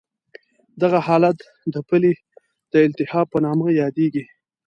دغه حالت د پلې د التهاب په نامه یادېږي.